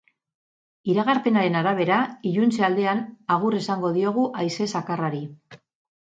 Iragarpenaren arabera, iluntze aldean agur esango diogu haize zakarrari.